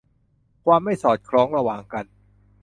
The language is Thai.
ความไม่สอดคล้องระหว่างกัน